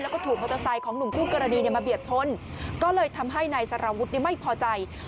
แล้วก็ถูกมอเตอร์ไซค์ของหนุ่มคู่กรณีมาเบียดชนก็เลยทำให้นายสารวุฒิไม่พอใจ